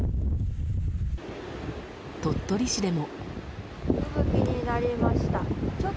鳥取市でも。